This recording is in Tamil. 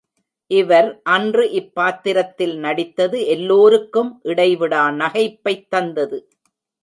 இவர் அன்று இப்பாத்திரத்தில் நடித்தது எல்லோருக்கும் இடைவிடா நகைப்பைத் தந்தது.